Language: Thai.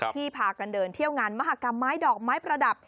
พากันเดินเที่ยวงานมหากรรมไม้ดอกไม้ประดับ